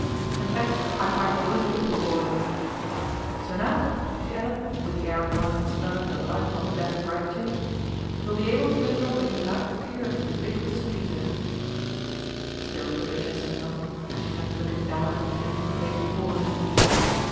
In fact I quite bullied the poor boy. So now," she added MR. TRIGGS TAKES TEA 217 4th the air of one who has earned a lifelong debt gratitude, " you will be able to go your way ithout fear of the ubiquitous Peter/' Still Patricia said nothing as she sat looking own upon the empty plate before her.